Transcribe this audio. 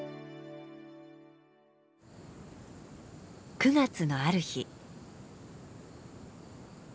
９月のある日。